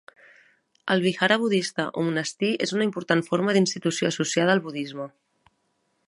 El Vihara budista o monestir és una important forma d'institució associada al budisme.